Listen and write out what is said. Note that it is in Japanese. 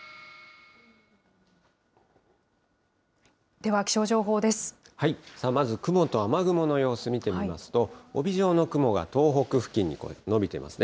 では、さあ、まず雲と雨雲の様子、見てみますと、帯状の雲が東北付近に延びてますね。